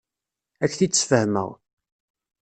Ad ak-t-id-sfehmeɣ.